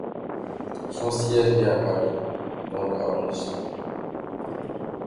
Son siège est à Paris, dans le arrondissement.